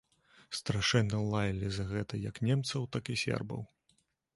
Страшэнна лаялі за гэта як немцаў, так і сербаў.